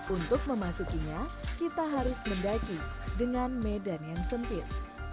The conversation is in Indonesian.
untuk memasukinya kita harus mendaki dengan medan yang sempit